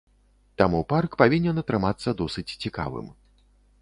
Таму парк павінен атрымацца досыць цікавым.